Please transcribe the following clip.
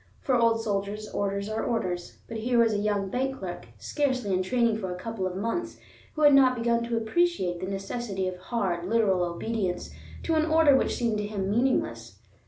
For old soldiers, orders are orders; but here was a young bank clerk, scarcely in training for a couple of months, who had not begun to appreciate the necessity of hard, literal obedience to an order which seemed to him meaningless.